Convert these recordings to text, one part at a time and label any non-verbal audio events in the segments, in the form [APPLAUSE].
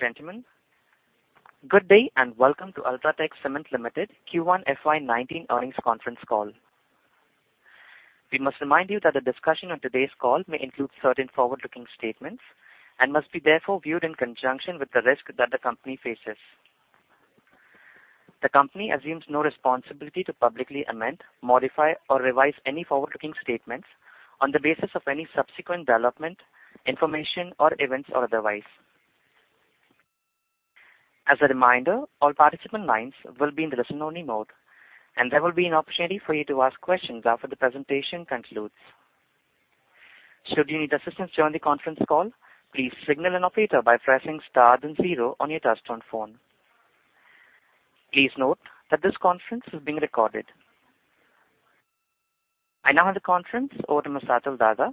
Ladies and gentlemen, good day, and welcome to UltraTech Cement Limited Q1 FY 2019 earnings conference call. We must remind you that the discussion on today's call may include certain forward-looking statements and must be therefore viewed in conjunction with the risk that the company faces. The company assumes no responsibility to publicly amend, modify, or revise any forward-looking statements on the basis of any subsequent development, information, or events, or otherwise. As a reminder, all participant lines will be in the listen-only mode, and there will be an opportunity for you to ask questions after the presentation concludes. Should you need assistance during the conference call, please signal an operator by pressing star then zero on your touchtone phone. Please note that this conference is being recorded. I now hand the conference over to Mr. Atul Daga,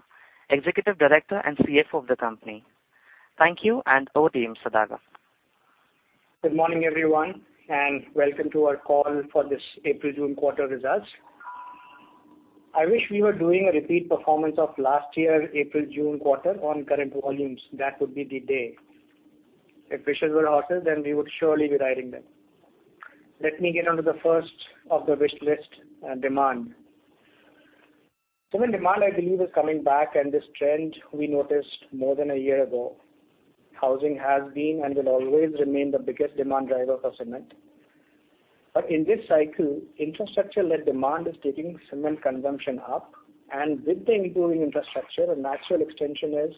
Executive Director and CFO of the company. Thank you, and over to you, Mr. Daga. Good morning, everyone, and welcome to our call for this April-June quarter results. I wish we were doing a repeat performance of last year, April-June quarter on current volumes. That would be the day. If wishes were horses, then we would surely be riding them. Let me get on to the first of the wish list, demand. Cement demand, I believe, is coming back, and this trend we noticed more than a year ago. Housing has been and will always remain the biggest demand driver for cement. In this cycle, infrastructure-led demand is taking cement consumption up, and with the improving infrastructure, a natural extension is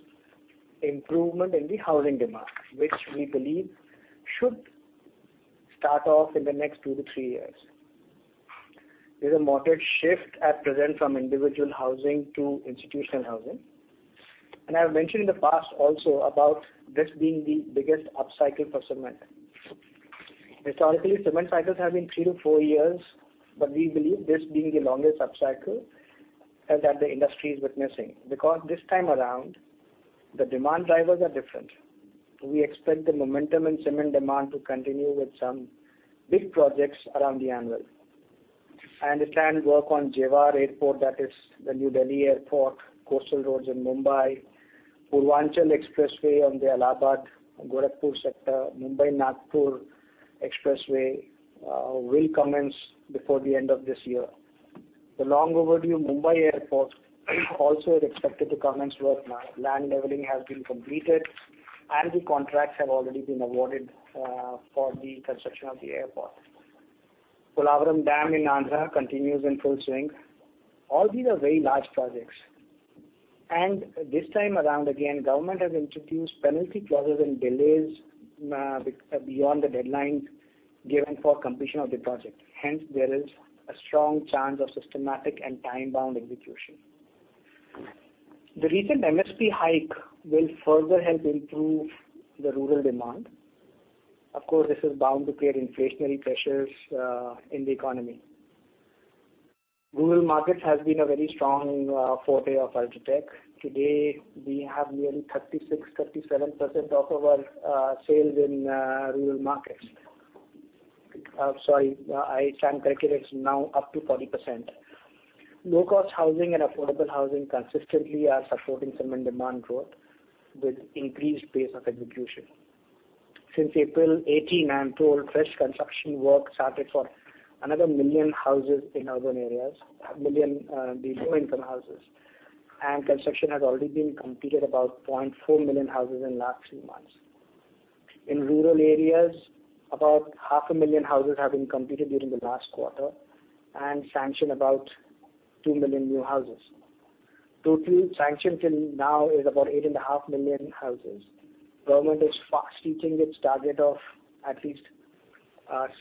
improvement in the housing demand, which we believe should start off in the next 2 to 3 years. There's a moderate shift at present from individual housing to institutional housing. I've mentioned in the past also about this being the biggest upcycle for cement. Historically, cement cycles have been 3 to 4 years, but we believe this being the longest upcycle, and that the industry is witnessing. Because this time around, the demand drivers are different. We expect the momentum in cement demand to continue with some big projects around the annual. The planned work on Jewar Airport, that is the Noida International Airport, coastal roads in Mumbai, Purvanchal Expressway on the Allahabad, Gorakhpur sector, Mumbai-Nagpur Expressway will commence before the end of this year. The long overdue Navi Mumbai International Airport also is expected to commence work now. Land leveling has been completed, and the contracts have already been awarded for the construction of the airport. Polavaram Dam in Andhra continues in full swing. All these are very large projects. This time around, again, Government has introduced penalty clauses and delays beyond the deadlines given for completion of the project. Hence, there is a strong chance of systematic and time-bound execution. The recent MSP hike will further help improve the rural demand. Of course, this is bound to create inflationary pressures in the economy. Rural markets have been a very strong forte of UltraTech. Today, we have nearly 36%, 37% of our sales in rural markets. Sorry, I stand corrected. It is now up to 40%. Low-cost housing and affordable housing consistently are supporting cement demand growth with increased pace of execution. Since April 2018, I am told fresh construction work started for another 1 million houses in urban areas, the low-income houses. Construction has already been completed about 0.4 million houses in the last three months. In rural areas, about half a million houses have been completed during the last quarter and sanctioned about 2 million new houses. Total sanctions till now is about 8.5 million houses. Government is fast reaching its target of at least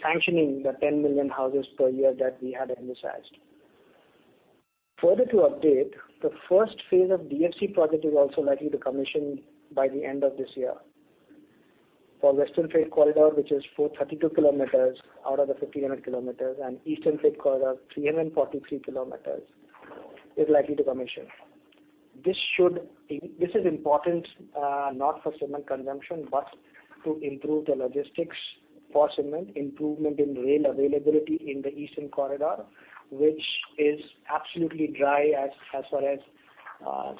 sanctioning the 10 million houses per year that we had emphasized. Further to update, the first phase of DFC project is also likely to commission by the end of this year. For Western Freight Corridor, which is 432 kilometers out of the 1,500 kilometers, and Eastern Freight Corridor, 343 kilometers, is likely to commission. This is important, not for cement consumption, but to improve the logistics for cement, improvement in rail availability in the Eastern Corridor, which is absolutely dry as far as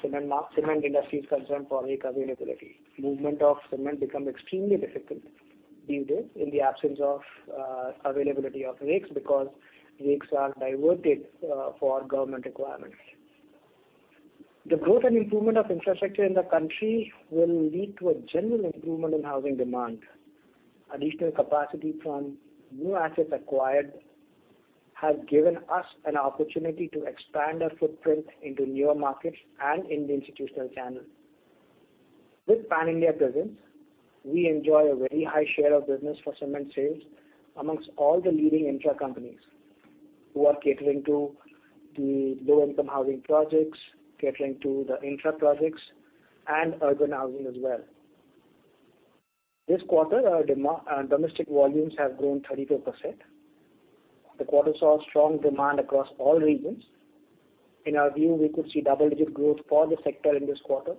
cement industry is concerned for rake availability. Movement of cement become extremely difficult these days in the absence of availability of rakes, because rakes are diverted for Government requirements. The growth and improvement of infrastructure in the country will lead to a general improvement in housing demand. Additional capacity from new assets acquired has given us an opportunity to expand our footprint into newer markets and in the institutional channel. With pan-India presence, we enjoy a very high share of business for cement sales amongst all the leading infra companies who are catering to the low-income housing projects, catering to the infra projects, and urban housing as well. This quarter, our domestic volumes have grown 32%. The quarter saw strong demand across all regions. In our view, we could see double-digit growth for the sector in this quarter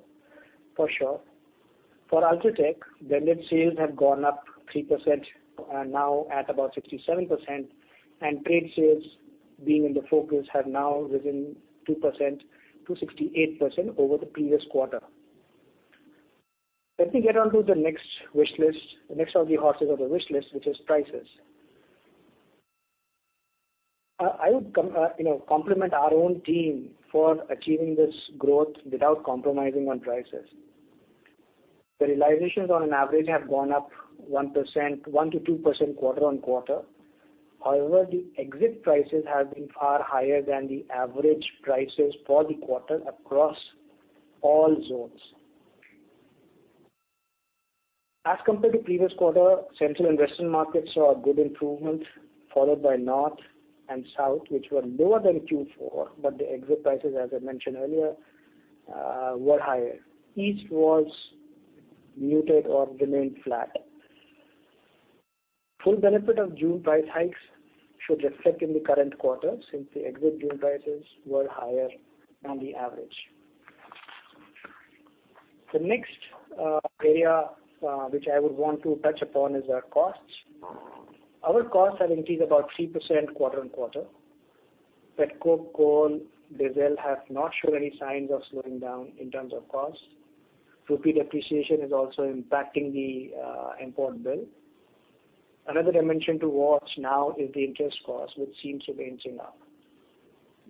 for sure. For UltraTech, blended sales have gone up 3%, now at about 67%, and trade sales Being in the focus have now risen 2% to 68% over the previous quarter. Let me get onto the next of the horses of the wish list, which is prices. I would compliment our own team for achieving this growth without compromising on prices. The realizations on an average have gone up 1%-2% quarter-on-quarter. However, the exit prices have been far higher than the average prices for the quarter across all zones. As compared to previous quarter, central and western markets saw a good improvement followed by north and south, which were lower than Q4. The exit prices, as I mentioned earlier, were higher. East was muted or remained flat. Full benefit of June price hikes should reflect in the current quarter, since the exit June prices were higher than the average. The next area which I would want to touch upon is our costs. Our costs have increased about 3% quarter-on-quarter. pet coke, coal, diesel have not shown any signs of slowing down in terms of cost. rupee depreciation is also impacting the import bill. Another dimension to watch now is the interest cost, which seems to be inching up.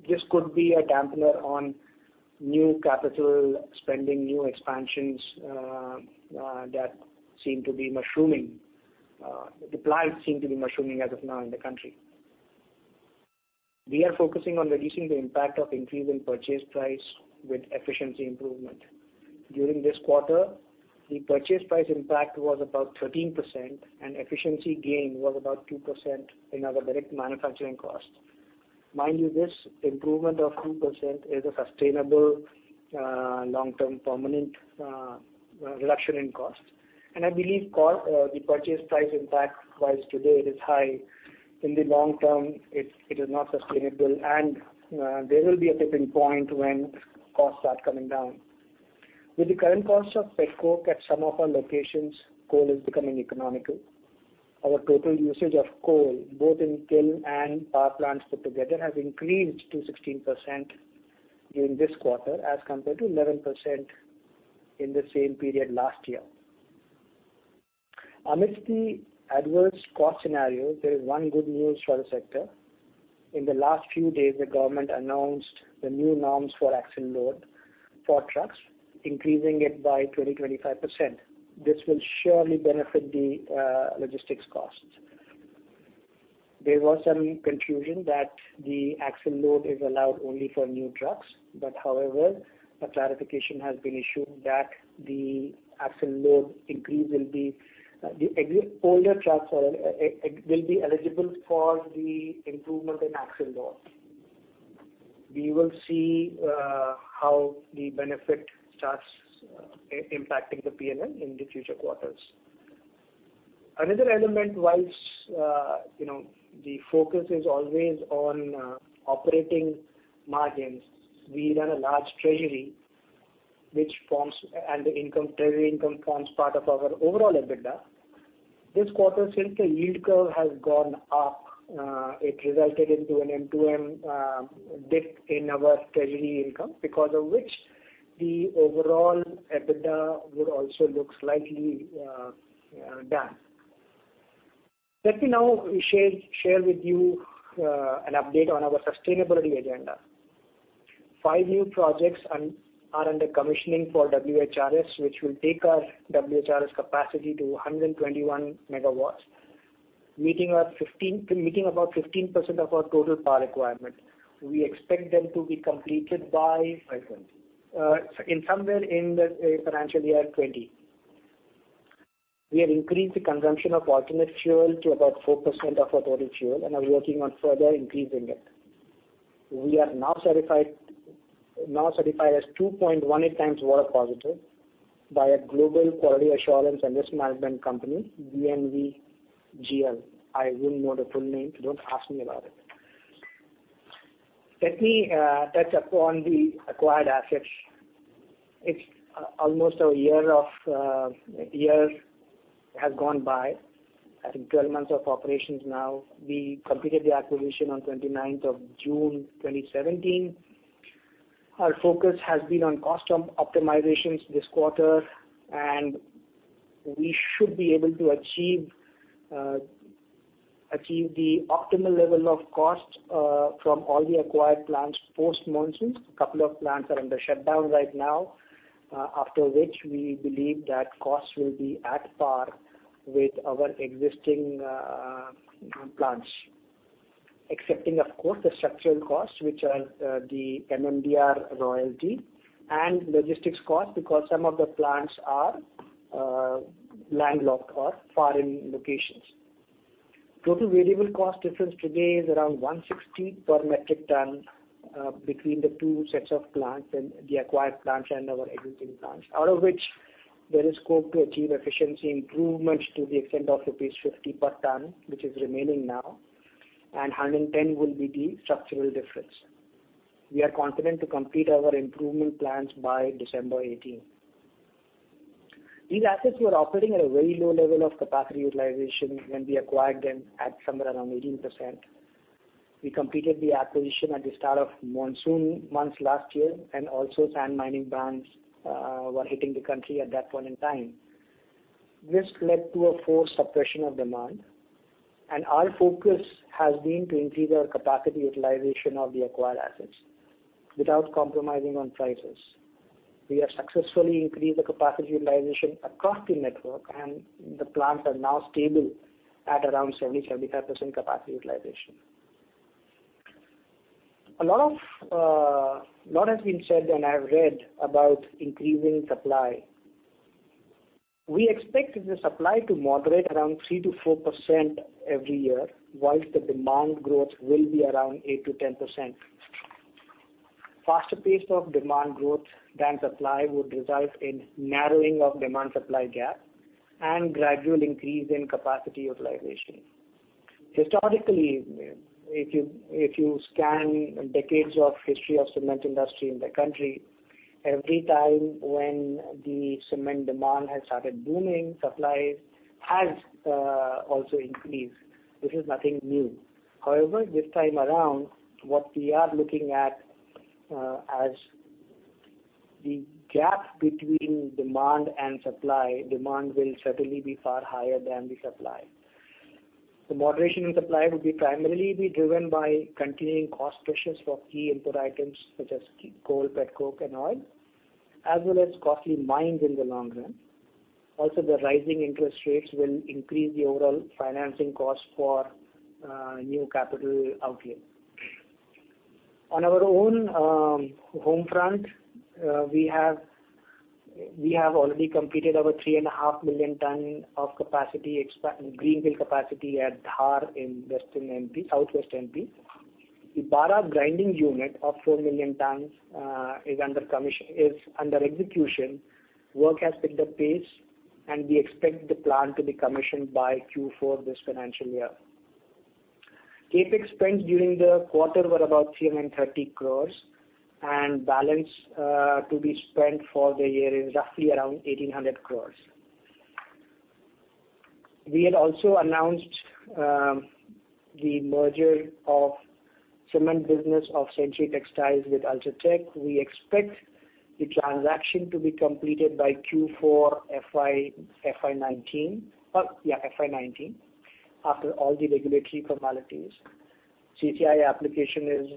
This could be a dampener on new capital spending, new expansions that seem to be mushrooming. The plight seem to be mushrooming as of now in the country. We are focusing on reducing the impact of increase in purchase price with efficiency improvement. During this quarter, the purchase price impact was about 13% and efficiency gain was about 2% in our direct manufacturing cost. Mind you, this improvement of 2% is a sustainable long-term permanent reduction in cost. I believe the purchase price impact price today it is high. In the long term, it is not sustainable, and there will be a tipping point when costs start coming down. With the current cost of pet coke at some of our locations, coal is becoming economical. Our total usage of coal, both in kiln and power plants put together, has increased to 16% in this quarter as compared to 11% in the same period last year. Amidst the adverse cost scenario, there is one good news for the sector. In the last few days, the government announced the new norms for axle load for trucks, increasing it by 20%-25%. This will surely benefit the logistics costs. There was some confusion that the axle load is allowed only for new trucks. However, a clarification has been issued that the older trucks will be eligible for the improvement in axle loads. We will see how the benefit starts impacting the P&L in the future quarters. Another element wise, the focus is always on operating margins. We run a large treasury and the treasury income forms part of our overall EBITDA. This quarter, since the yield curve has gone up, it resulted into an M2M dip in our treasury income because of which the overall EBITDA would also look slightly down. Let me now share with you an update on our sustainability agenda. Five new projects are under commissioning for WHRS, which will take our WHRS capacity to 121 MW, meeting about 15% of our total power requirement. We expect them to be completed by- By 20. Somewhere in the financial year 2020. We have increased the consumption of alternate fuel to about 4% of our total fuel and are working on further increasing it. We are now certified as 2.18 times water positive by a global quality assurance and risk management company, DNV GL. I wouldn't know the full name, so don't ask me about it. Let me touch upon the acquired assets. It's almost a year has gone by. I think 12 months of operations now. We completed the acquisition on 29th of June 2017. Our focus has been on cost optimizations this quarter, and we should be able to achieve the optimal level of cost from all the acquired plants post-monsoons. A couple of plants are under shutdown right now, after which we believe that costs will be at par with our existing plants. Excepting, of course, the structural costs, which are the MMDR royalty and logistics cost because some of the plants are landlocked or far in locations. Total variable cost difference today is around 160 per metric ton between the two sets of plants and the acquired plants and our existing plants. Out of which there is scope to achieve efficiency improvements to the extent of rupees 50 per ton, which is remaining now, and 110 will be the structural difference. We are confident to complete our improvement plans by December 2018. These assets were operating at a very low level of capacity utilization when we acquired them at somewhere around 18%. We completed the acquisition at the start of monsoon months last year, also sand mining bans were hitting the country at that point in time. This led to a forced suppression of demand. Our focus has been to increase our capacity utilization of the acquired assets without compromising on prices. We have successfully increased the capacity utilization across the network, and the plants are now stable at around 70%-75% capacity utilization. A lot has been said, and I've read about increasing supply. We expect the supply to moderate around 3% to 4% every year, whilst the demand growth will be around 8% to 10%. Faster pace of demand growth than supply would result in narrowing of demand-supply gap and gradual increase in capacity utilization. Historically, if you scan decades of history of cement industry in the country, every time when the cement demand has started booming, supply has also increased. This is nothing new. This time around, what we are looking at as the gap between demand and supply, demand will certainly be far higher than the supply. The moderation in supply will be primarily be driven by continuing cost pressures for key input items such as coal, pet coke, and oil, as well as costly mines in the long run. Also, the rising interest rates will increase the overall financing cost for new capital outlay. On our own home front, we have already completed our three and a half million tonne of greenfield capacity at Dhar in southwest M.P. The Bara grinding unit of 4 million tonnes is under execution. Work has picked up pace, and we expect the plant to be commissioned by Q4 this financial year. CapEx spends during the quarter were about 330 crores, and balance to be spent for the year is roughly around 1,800 crores. We had also announced the merger of cement business of Century Textiles with UltraTech. We expect the transaction to be completed by Q4 FY 2019, after all the regulatory formalities. CCI application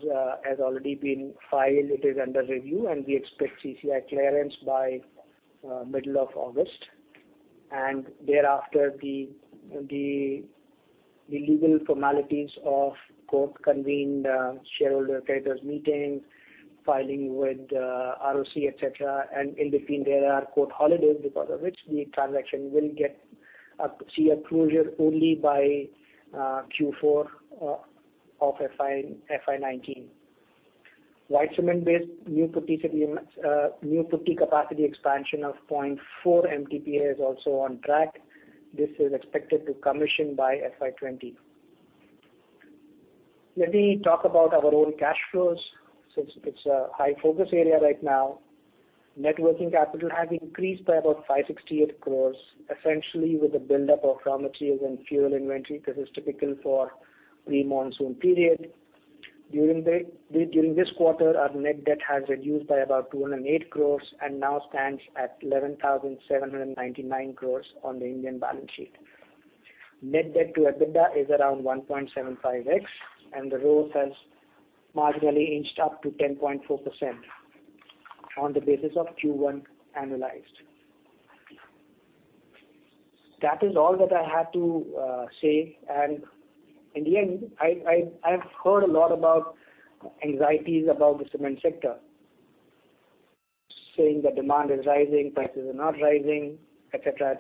has already been filed. It is under review, we expect CCI clearance by middle of August. Thereafter, the legal formalities of court-convened shareholder creditors meetings, filing with ROC, et cetera, and in between there are court holidays because of which the transaction will see a closure only by Q4 of FY 2019. White cement-based new Putty capacity expansion of 0.4 MTPA is also on track. This is expected to commission by FY 2020. Let me talk about our own cash flows, since it's a high-focus area right now. Net working capital has increased by about 568 crore, essentially with the buildup of raw materials and fuel inventory. This is typical for pre-monsoon period. During this quarter, our net debt has reduced by about 208 crore and now stands at 11,799 crore on the Indian balance sheet. Net debt to EBITDA is around 1.75x, and the ROCE has marginally inched up to 10.4% on the basis of Q1 annualized. That is all that I have to say. In the end, I have heard a lot about anxieties about the cement sector, saying that demand is rising, prices are not rising, et cetera.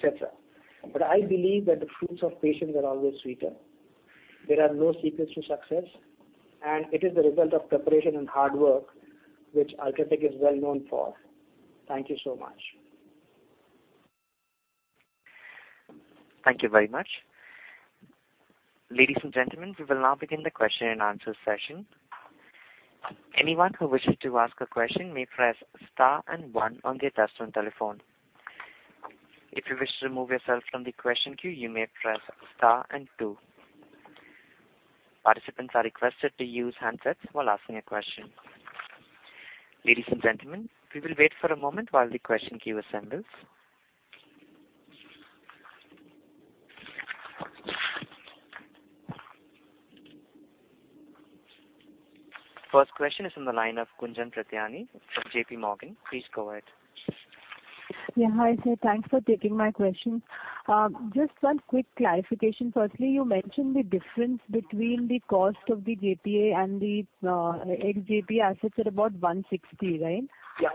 I believe that the fruits of patience are always sweeter. There are no secrets to success, it is the result of preparation and hard work, which UltraTech is well known for. Thank you so much. Thank you very much. Ladies and gentlemen, we will now begin the question and answer session. Anyone who wishes to ask a question may press star 1 on their touchtone telephone. If you wish to remove yourself from the question queue, you may press star 2. Participants are requested to use handsets while asking a question. Ladies and gentlemen, we will wait for a moment while the question queue assembles. First question is on the line of Gunjan Prithyani from JPMorgan. Please go ahead. Hi, sir. Thanks for taking my question. Just one quick clarification. Firstly, you mentioned the difference between the cost of the JPA and the ex-JPA assets at about 160, right? Yes.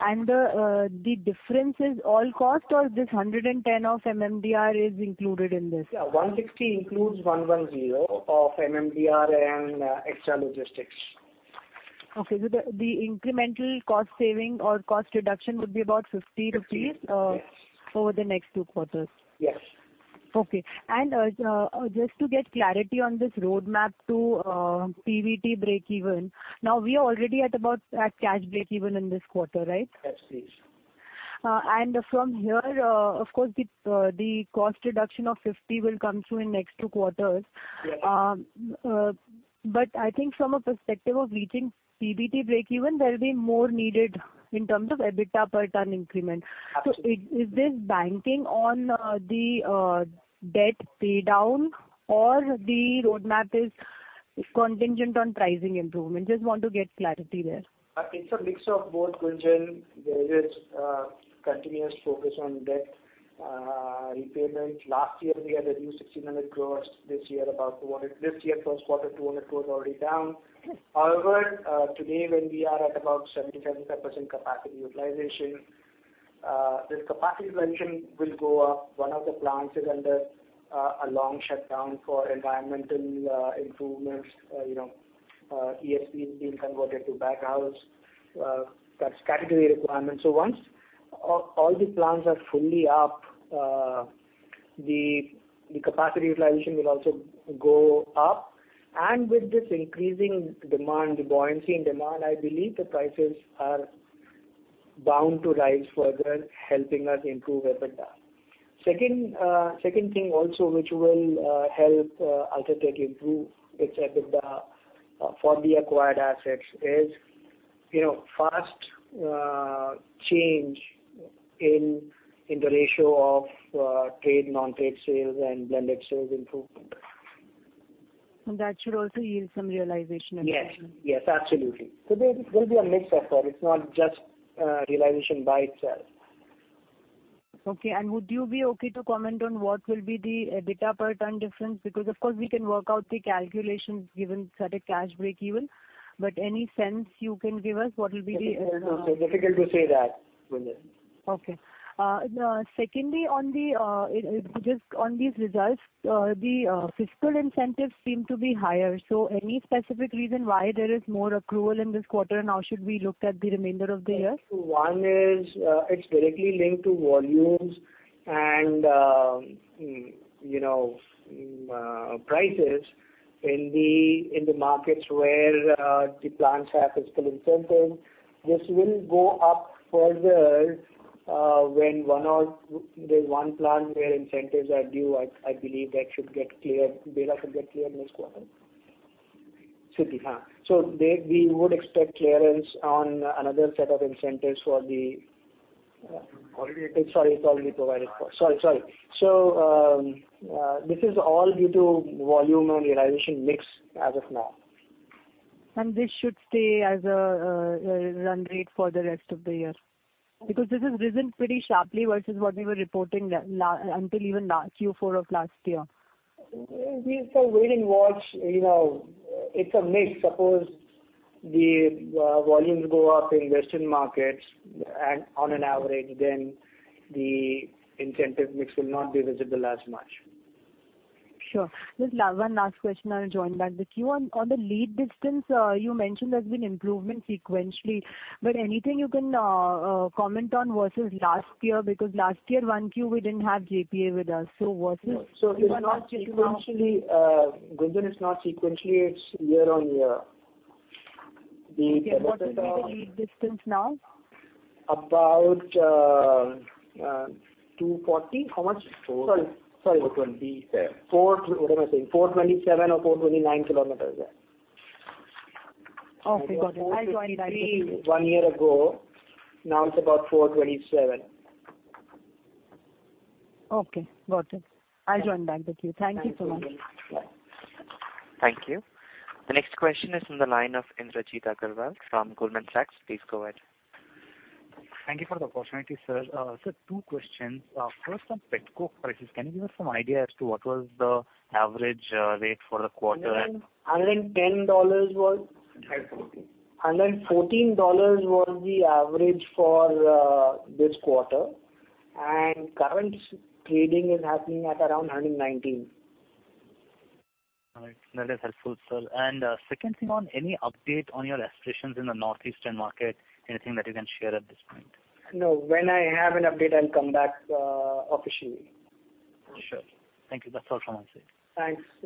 The difference is all cost, or this 110 of MMDR is included in this? Yeah, 160 includes 110 of MMDR and extra logistics. Okay. The incremental cost saving or cost reduction would be about 50 rupees. INR 50, yes. -over the next two quarters? Yes. Okay. Just to get clarity on this roadmap to PBT breakeven. Now, we are already at about cash breakeven in this quarter, right? Yes, please. From here, of course, the cost reduction of 50 will come through in next two quarters. Yes. I think from a perspective of reaching PBT breakeven, there will be more needed in terms of EBITDA per ton increment. Absolutely. Is this banking on the debt paydown or the roadmap is contingent on pricing improvement? Just want to get clarity there. It's a mix of both, Gunjan. There is a continuous focus on debt repayment. Last year, we had reduced 1,600 crore. This year, first quarter, 200 crore already down. However, today when we are at about 77% capacity utilization, this capacity utilization will go up. One of the plants is under a long shutdown for environmental improvements. ESP is being converted to baghouse. That's category requirement. Once all the plants are fully up, the capacity utilization will also go up. With this increasing demand, the buoyancy in demand, I believe the prices are bound to rise further, helping us improve EBITDA. Second thing also which will help UltraTech improve its EBITDA for the acquired assets is fast change in the ratio of trade, non-trade sales and blended sales improvement. That should also yield some realization improvement. Yes, absolutely. There will be a mix of that. It's not just realization by itself. Okay. Would you be okay to comment on what will be the EBITDA per ton difference? Because, of course, we can work out the calculations given certain cash breakeven. Any sense you can give us what will be the. Difficult to say that, Gunjan. Okay. Secondly, on these results, the fiscal incentives seem to be higher. Any specific reason why there is more accrual in this quarter, and how should we look at the remainder of the year? One is, it's directly linked to volumes and prices in the markets where the plants have fiscal incentives. This will go up further when there's one plant where incentives are due. I believe that should get cleared next quarter. Should be, yes. We would expect clearance on another set of incentives. Already provided for. Sorry, it's already provided for. Sorry. This is all due to volume and realization mix as of now. This should stay as a run rate for the rest of the year. This has risen pretty sharply versus what we were reporting until even Q4 of last year. We'll wait and watch. It's a mix. Suppose the volumes go up in western markets on an average, then the incentive mix will not be visible as much. Sure. Just one last question, I'll join back the queue. On the lead distance, you mentioned there's been improvement sequentially. Anything you can comment on versus last year? Because last year 1Q, we didn't have JPA with us. What is the lead distance now? Gunjan, it's not sequentially, it's year on year. Okay. What is the lead distance now? About 240. How much? 427. What am I saying? 427 or 429 km. Okay, got it. I'll join back the queue. It was 450, one year ago. Now it's about 427. Okay, got it. I'll join back the queue. Thank you so much. Thanks. Thank you. The next question is from the line of Indrajit Agarwal from Goldman Sachs. Please go ahead. Thank you for the opportunity, sir. Sir, two questions. First, on pet coke prices, can you give us some idea as to what was the average rate for the quarter? $110 [INAUDIBLE] INR 114 was the average for this quarter, and current trading is happening at around 119. All right. That is helpful, sir. Second thing on any update on your aspirations in the northeastern market, anything that you can share at this point? No. When I have an update, I'll come back officially. Sure. Thank you. That's all from my side. Thanks. [INAUDIBLE]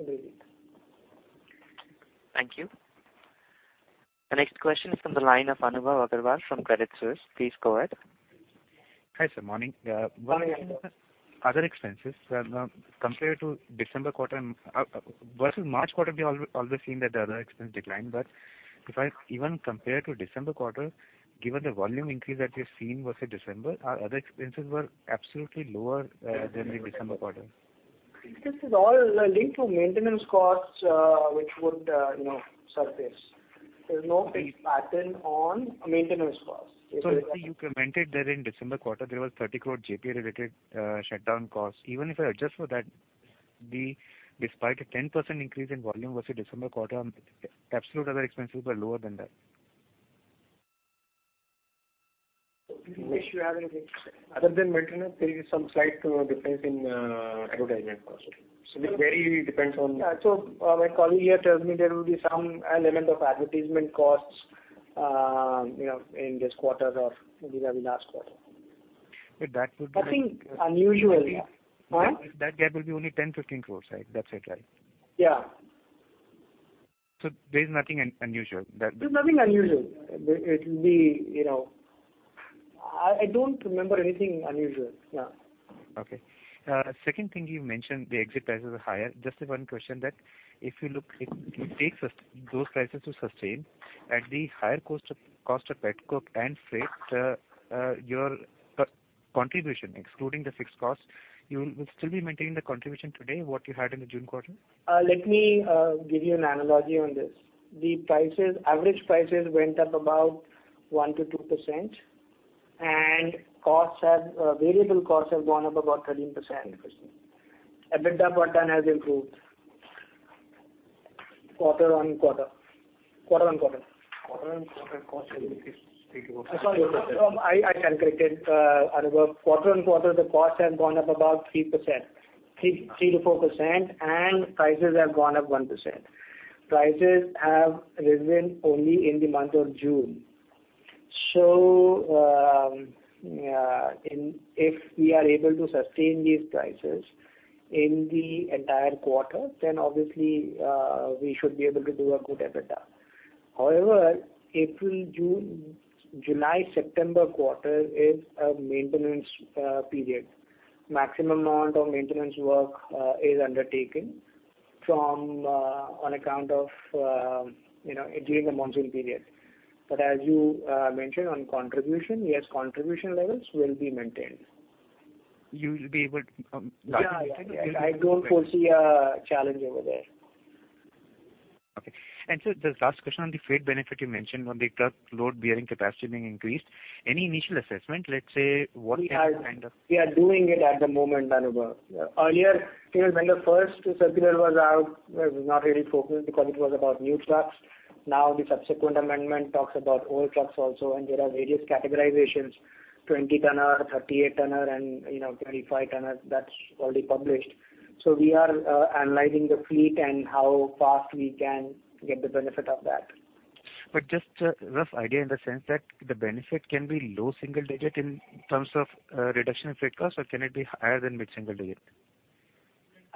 Thank you. The next question is from the line of Anubhav Agarwal from Credit Suisse. Please go ahead. Hi, sir. Morning. Morning. One again on other expenses. Compared to December quarter versus March quarter, we always seen that the other expense declined. If I even compare to December quarter, given the volume increase that we've seen versus December, our other expenses were absolutely lower than the December quarter. This is all linked to maintenance costs which would surface. There's no fixed pattern on maintenance costs. You commented that in December quarter, there was 30 crore JPA related shutdown costs. Even if I adjust for that, despite a 10% increase in volume versus December quarter, absolute other expenses were lower than that. Ashish, you have anything to say? Other than maintenance, there is some slight difference in advertisement costs. It really depends. My colleague here tells me there will be some element of advertisement costs in this quarter or maybe even last quarter. That would. Nothing unusual here. That gap will be only 10 crore-15 crore, right? That's it, right? Yeah. There's nothing unusual? There's nothing unusual. I don't remember anything unusual. Yeah. Second thing you mentioned, the exit prices are higher. Just one question that, if it takes those prices to sustain at the higher cost of pet coke and freight, your contribution, excluding the fixed cost, you will still be maintaining the contribution today, what you had in the June quarter? Let me give you an analogy on this. The average prices went up about 1%-2%, and variable costs have gone up about 13%. Understood. EBITDA per ton has improved quarter-on-quarter. Quarter-on-quarter cost. Sorry. I can correct it, Anubhav. Quarter-on-quarter, the costs have gone up about 3%-4%, and prices have gone up 1%. Prices have risen only in the month of June. If we are able to sustain these prices in the entire quarter, then obviously, we should be able to do a good EBITDA. However, April, June, July, September quarter is a maintenance period. Maximum amount of maintenance work is undertaken during the monsoon period. As you mentioned on contribution, yes, contribution levels will be maintained. You will be able. Yeah. I don't foresee a challenge over there. Okay. Sir, the last question on the freight benefit you mentioned on the truck load bearing capacity being increased. Any initial assessment, let's say? We are doing it at the moment, Anubhav. Earlier, when the first circular was out, it was not really focused because it was about new trucks. Now, the subsequent amendment talks about old trucks also, there are various categorizations, 20 tonner, 38 tonner, and 35 tonner, that's already published. We are analyzing the fleet and how fast we can get the benefit of that. Just a rough idea in the sense that the benefit can be low single-digit in terms of reduction in freight cost or can it be higher than mid-single-digit?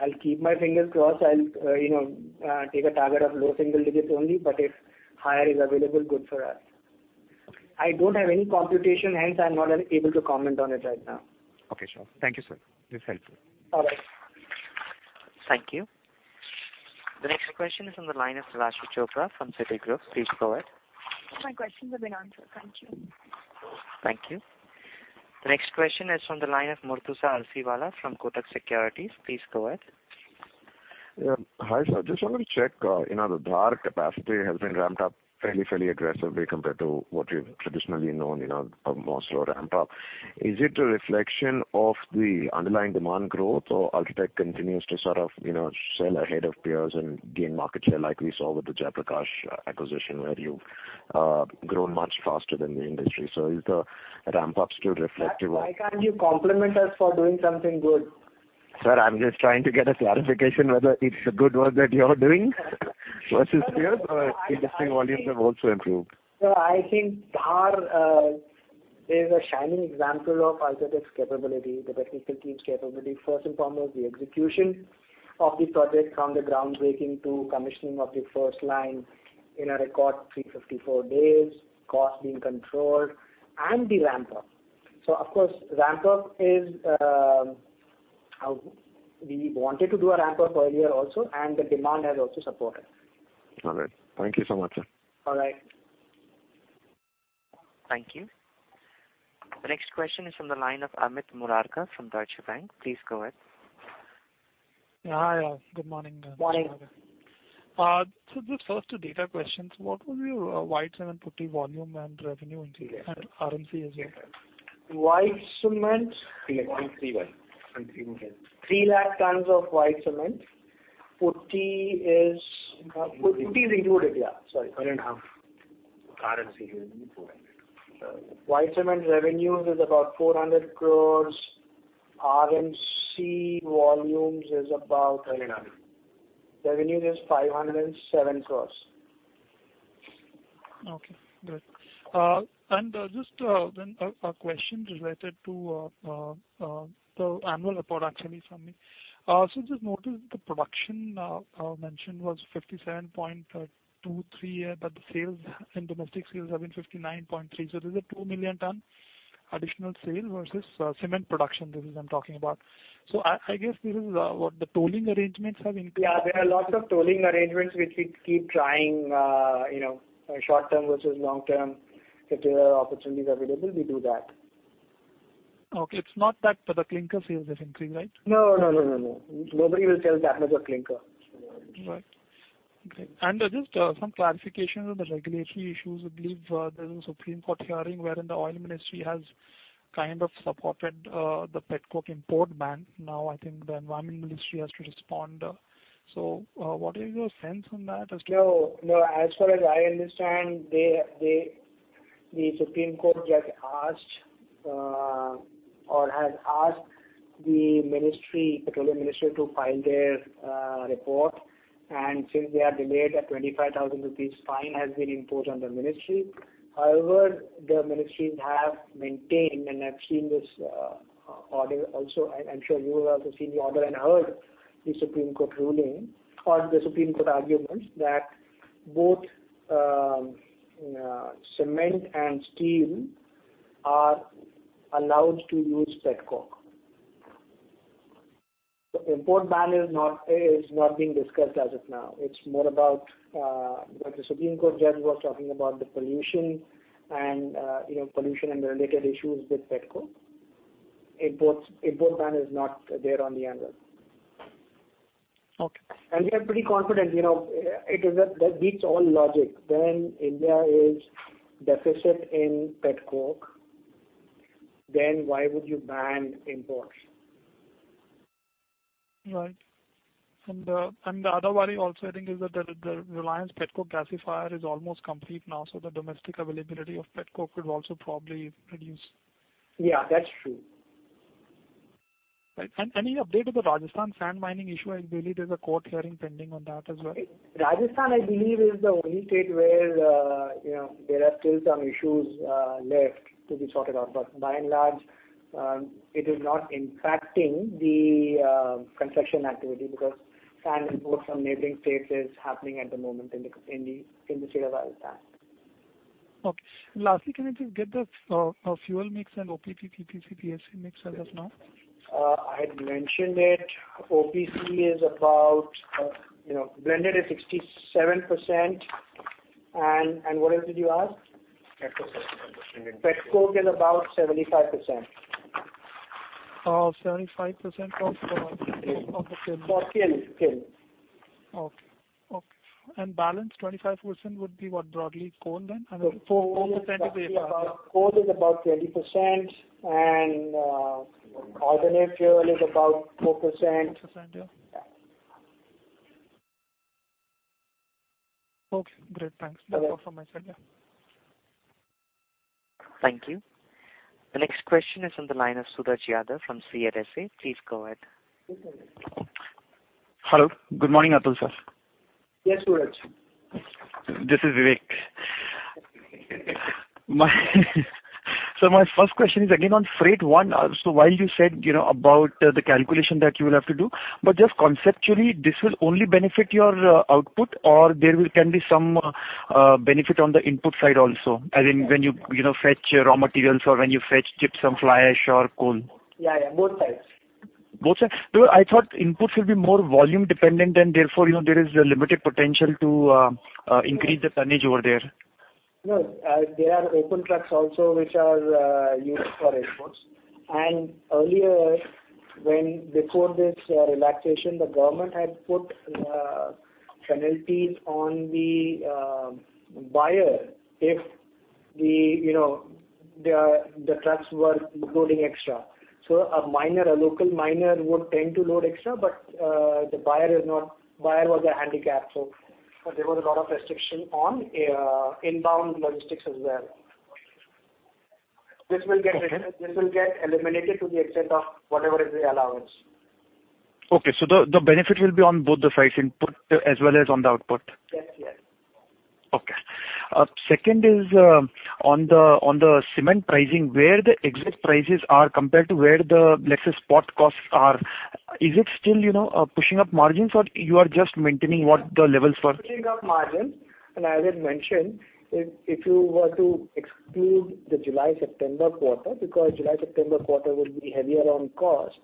I'll keep my fingers crossed. I'll take a target of low single-digits only, but if higher is available, good for us. I don't have any computation, hence I'm not able to comment on it right now. Okay, sure. Thank you, sir. This helps me. All right. Thank you. The next question is on the line of Raashi Chopra from Citigroup. Please go ahead. My questions have been answered. Thank you. Thank you. The next question is on the line of Murtuza Arsiwalla from Kotak Securities. Please go ahead. Hi, sir. Just wanted to check. The Dhar capacity has been ramped up fairly aggressively compared to what you've traditionally known, a more slower ramp-up. Is it a reflection of the underlying demand growth or UltraTech continues to sort of sell ahead of peers and gain market share like we saw with the Jaiprakash acquisition where you've grown much faster than the industry? Is the ramp-up still reflective of? Why can't you compliment us for doing something good? Sir, I'm just trying to get a clarification whether it's a good work that you're doing versus peers or industry volumes have also improved. Sir, I think Dhar is a shining example of UltraTech's capability, the technical team's capability. First and foremost, the execution of the project from the groundbreaking to commissioning of the first line in a record 354 days, cost being controlled, and the ramp-up. Of course, ramp-up, we wanted to do a ramp-up earlier also, and the demand has also supported. All right. Thank you so much, sir. All right. Thank you. The next question is from the line of Amit Morarka from Deutsche Bank. Please go ahead. Yeah. Hi. Good morning. Morning. Just first two data questions. What was your white cement Putty volume and revenue in Q1 RMC as well? 3 lakh tons of white cement. Putty is included, yeah. Sorry. 4.5. RMC will be 400. White cement revenues is about 400 crore. RMC volumes is about- 509. Revenue is 507 crore. Okay, great. Just then a question related to the annual report actually from me. Just noticed the production mentioned was 57.23 here, but the sales and domestic sales have been 59.3. There's a 2 million ton additional sale versus cement production. This is I'm talking about. I guess this is what the tolling arrangements have increased. Yeah, there are lots of tolling arrangements which we keep trying, short-term versus long-term. If there are opportunities available, we do that. Okay. It's not that the clinker sales has increased, right? No. Nobody will sell that much of clinker. Right. Okay. Just some clarification on the regulatory issues. I believe there is a Supreme Court hearing wherein the oil ministry has kind of supported the pet coke import ban. I think the environment ministry has to respond. What is your sense on that as far- No. As far as I understand, the Supreme Court judge asked, or has asked the petroleum ministry to file their report. Since they have delayed, a ₹25,000 fine has been imposed on the ministry. However, the ministry have maintained, and I've seen this order also, I'm sure you have also seen the order and heard the Supreme Court ruling or the Supreme Court arguments that both cement and steel are allowed to use pet coke. The import ban is not being discussed as of now. It's more about what the Supreme Court judge was talking about, the pollution and the related issues with pet coke. Import ban is not there on the anvil. Okay. We are pretty confident. It beats all logic. When India is deficit in pet coke, then why would you ban imports? Right. The other worry also I think is that the Reliance pet coke gasifier is almost complete now. The domestic availability of pet coke could also probably reduce. Yeah, that's true. Right. Any update on the Rajasthan sand mining issue? I believe there's a court hearing pending on that as well. Rajasthan, I believe, is the only state where there are still some issues left to be sorted out. By and large, it is not impacting the construction activity because sand import from neighboring states is happening at the moment in the State of Rajasthan. Okay. Lastly, can I just get the fuel mix and OPC, PPC, PSC mix as of now? I had mentioned it. OPC is about blended at 67%. What else did you ask? Pet coke. Pet coke is about 75%. Oh, 75% of the kiln. For kiln. Okay. Balance 25% would be what, broadly, coal then? 4% is AF. Coal is about 20%, and alternate fuel is about 4%. 4%, yeah. Okay, great. Thanks. That's all from my side, yeah. Thank you. The next question is on the line of Suraj Yadav from CLSA. Please go ahead. Hello. Good morning, Atul sir. Yes, Suraj. This is Vivek. My first question is again on freight. One, while you said about the calculation that you will have to do, but just conceptually, this will only benefit your output or there can be some benefit on the input side also. As in when you fetch raw materials or when you fetch chips and fly ash or coal. Yeah. Both sides. Both sides. Sir, I thought input will be more volume dependent and therefore, there is a limited potential to increase the tonnage over there. No. There are open trucks also which are used for exports. Earlier, before this relaxation, the government had put penalties on the buyer if the trucks were loading extra. A local miner would tend to load extra, but the buyer was handicapped. There was a lot of restriction on inbound logistics as well. This will get eliminated to the extent of whatever is the allowance. Okay, the benefit will be on both the sides, input as well as on the output. Yes. Okay. Second is on the cement pricing, where the exit prices are compared to where the, let's say, spot costs are. Is it still pushing up margins, or you are just maintaining what the levels were? Pushing up margins. As I mentioned, if you were to exclude the July-September quarter, because July-September quarter will be heavier on costs.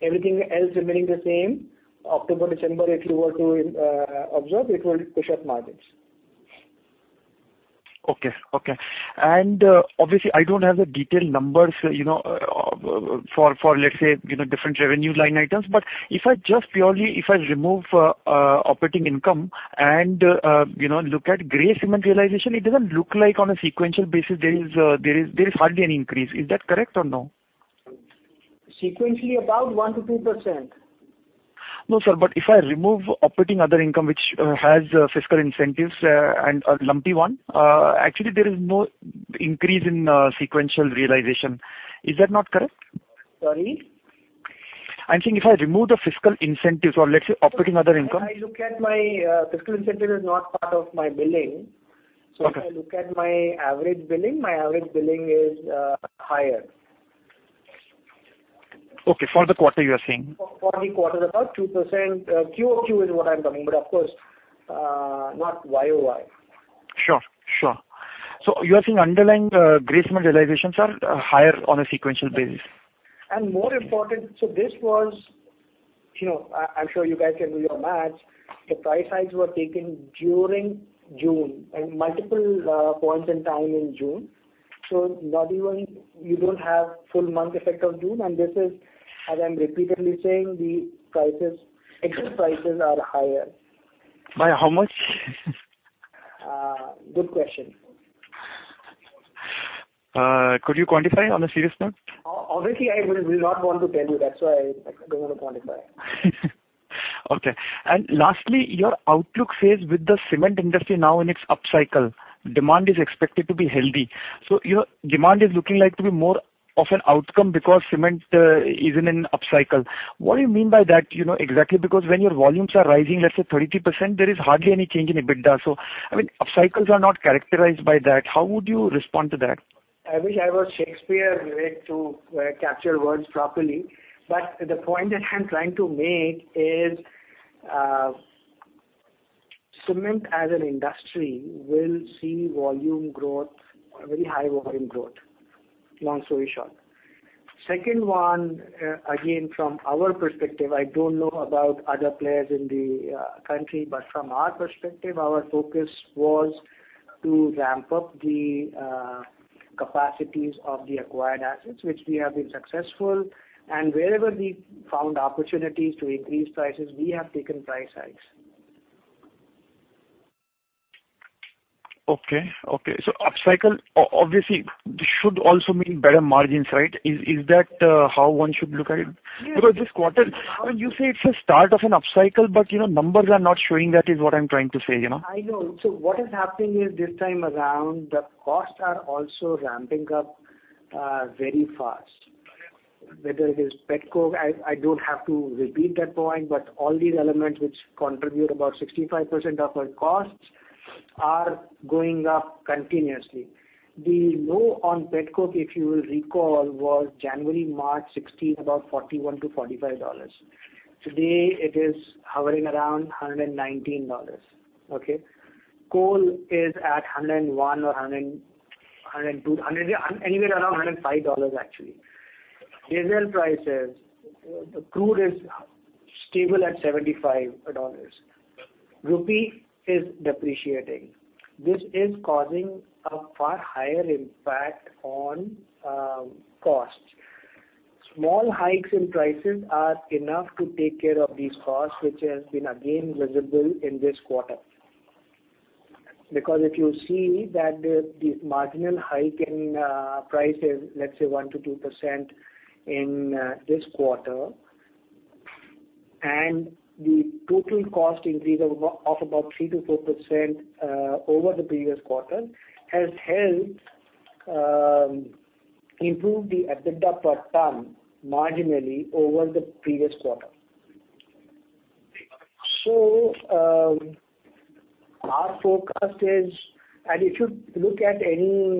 Everything else remaining the same, October-December, if you were to observe, it will push up margins. Okay. Obviously, I don't have the detailed numbers for, let's say, different revenue line items. If I just purely remove operating income and look at grey cement realization, it doesn't look like on a sequential basis there is hardly any increase. Is that correct or no? Sequentially, about 1%-2%. No, sir. If I remove operating other income, which has fiscal incentives and a lumpy one, actually, there is no increase in sequential realization. Is that not correct? Sorry. I'm saying if I remove the fiscal incentives or let's say, operating other income. Fiscal incentive is not part of my billing. Okay. If I look at my average billing, my average billing is higher. Okay. For the quarter you're saying? For the quarter, about 2%. QoQ is what I'm talking, but of course, not YOY. Sure. You are saying underlying grey cement realization are higher on a sequential basis. More important, I'm sure you guys can do your math. The price hikes were taken during June and multiple points in time in June. You don't have full month effect of June, and this is, as I'm repeatedly saying, the exit prices are higher. By how much? Good question. Could you quantify on a serious note? Obviously, I will not want to tell you. That's why I don't want to quantify. Okay. Lastly, your outlook says with the cement industry now in its upcycle, demand is expected to be healthy. Your demand is looking like to be more of an outcome because cement is in an upcycle. What do you mean by that exactly? When your volumes are rising, let's say 33%, there is hardly any change in EBITDA. Upcycles are not characterized by that. How would you respond to that? I wish I were Shakespeare to capture words properly. The point that I'm trying to make is, cement as an industry will see very high volume growth. Long story short. Second one, again, from our perspective, I don't know about other players in the country. From our perspective, our focus was to ramp up the capacities of the acquired assets, which we have been successful. Wherever we found opportunities to increase prices, we have taken price hikes. Okay. Upcycle, obviously, should also mean better margins, right? Is that how one should look at it? Yes. This quarter, you say it's a start of an upcycle, but numbers are not showing that, is what I'm trying to say. I know. What is happening is this time around, the costs are also ramping up very fast. Whether it is pet coke, I don't have to repeat that point, but all these elements which contribute about 65% of our costs are going up continuously. The low on pet coke, if you will recall, was January-March 2016, about $41-$45. Today, it is hovering around $119. Okay. Coal is at $101-$102, anywhere around $105 actually. Diesel prices. Crude is stable at $75. Rupee is depreciating. This is causing a far higher impact on costs. Small hikes in prices are enough to take care of these costs, which has been again visible in this quarter. If you see that the marginal hike in prices, let's say 1%-2% in this quarter, and the total cost increase of about 3%-4% over the previous quarter, has helped improve the EBITDA per ton marginally over the previous quarter. Our forecast is, and if you look at any,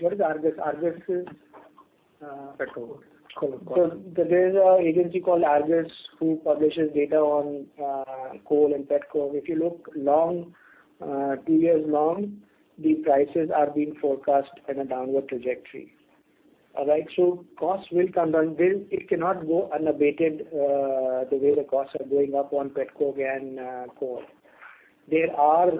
what is Argus? Pet coke. There's an agency called Argus who publishes data on coal and pet coke. If you look 2 years long, the prices are being forecast in a downward trajectory. All right. Costs will come down. It cannot go unabated the way the costs are going up on pet coke and coal. There are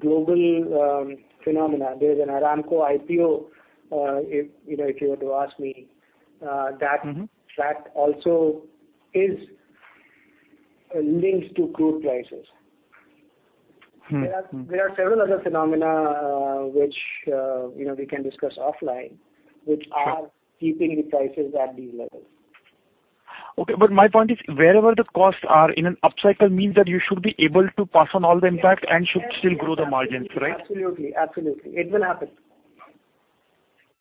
global phenomena. There's an Aramco IPO, if you were to ask me. That also links to crude prices. There are several other phenomena which we can discuss offline. Sure which are keeping the prices at these levels. Okay. My point is, wherever the costs are in an upcycle means that you should be able to pass on all the impact and should still grow the margins, right? Absolutely. It will happen.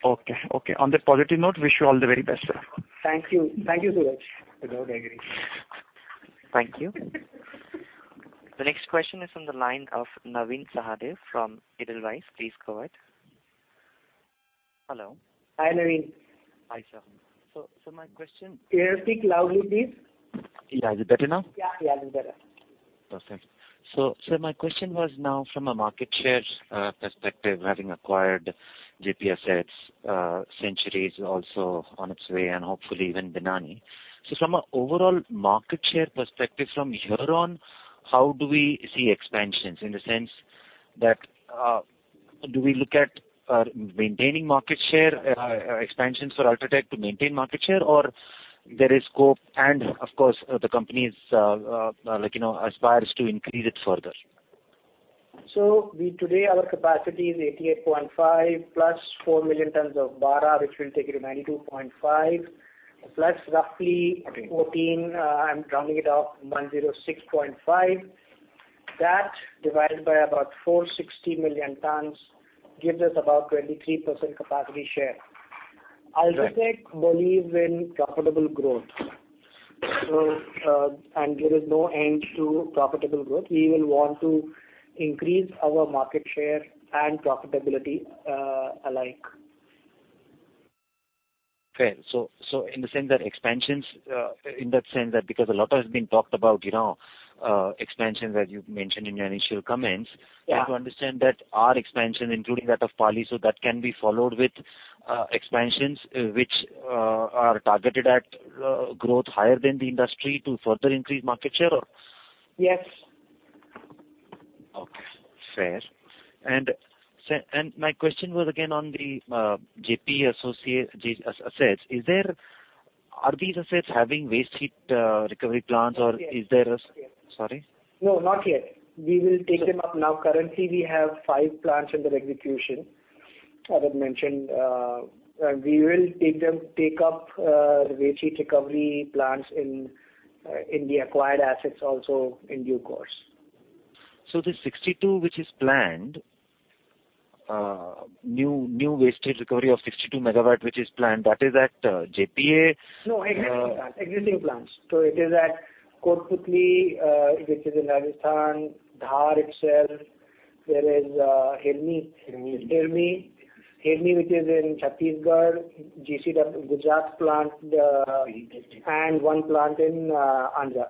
Okay. On that positive note, wish you all the very best, sir. Thank you so much. Thank you. The next question is on the line of Navin Sahadeo from Edelweiss. Please go ahead. Hello. Hi, Navin. Hi, sir. Can you speak loudly, please? Is it better now? Yeah, this is better. Perfect. My question was now from a market share perspective, having acquired JP Assets, Century's also on its way, and hopefully even Binani. From an overall market share perspective, from here on, how do we see expansions? In the sense that, do we look at maintaining market share, expansions for UltraTech to maintain market share? Or there is scope, and, of course, the company aspires to increase it further. Today our capacity is 88.5 plus 4 million tons of Bara, which will take it to 92.5, plus roughly Okay 14, I'm rounding it off, 106.5. That divided by about 460 million tons gives us about 23% capacity share. Right. UltraTech believes in profitable growth. There is no end to profitable growth. We will want to increase our market share and profitability alike. Fair. In the sense that because a lot has been talked about expansion, as you've mentioned in your initial comments. Yeah. Try to understand that our expansion, including that of Pali, that can be followed with expansions which are targeted at growth higher than the industry to further increase market share, or? Yes. Okay. Fair. My question was again on the JP Assets. Are these assets having waste heat recovery plants? Yes. Sorry? No, not yet. We will take them up now. Currently, we have five plants under execution. As I've mentioned, we will take up the waste heat recovery plants in the acquired assets also in due course. The 62 which is planned, new waste heat recovery of 62 megawatt which is planned, that is at JPA? No, existing plants. It is at Kotputli which is in Rajasthan, Dhar itself. There is Hirmi. Hirmi. Hirmi, which is in Chhattisgarh, Gujarat plant, and one plant in Andhra.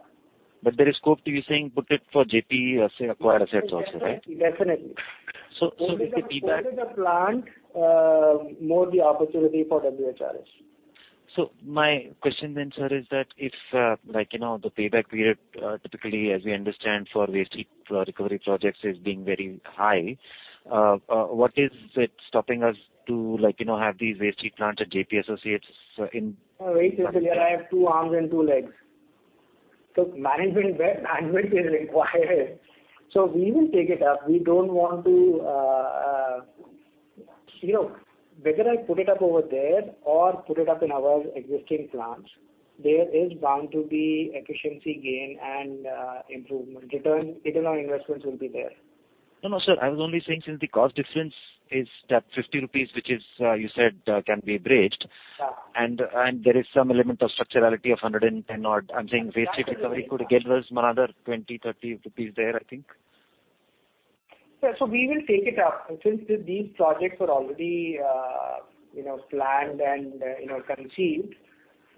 There is scope to be saying put it for JP Associates acquired assets also, right? Definitely. With the payback- Older the plant, more the opportunity for WHRS. My question then, sir, is that if the payback period, typically, as we understand for waste heat recovery projects is being very high, what is it stopping us to have these waste heat plants at JP Associates in- Very simple. I have two arms and two legs. Management where? Management is required. We will take it up. Whether I put it up over there or put it up in our existing plants, there is bound to be efficiency gain and improvement. Return on investments will be there. No, sir. I was only saying since the cost difference is that 50 rupees, which you said can be bridged. Yeah. There is some element of structurality of 110 odd. I am saying waste heat recovery could get us another 20, 30 there, I think. We will take it up. Since these projects were already planned and conceived,